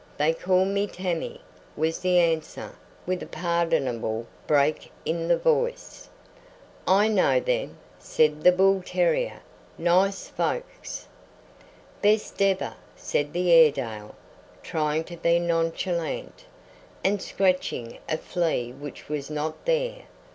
They call me Tammy," was the answer, with a pardonable break in the voice. "I know them," said the bull terrier. "Nice folks." "Best ever," said the Airedale, trying to be nonchalant, and scratching a flea which was not there.